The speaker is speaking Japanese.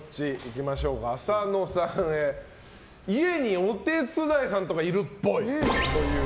浅野さんへですが家にお手伝いさんとかいるっぽい。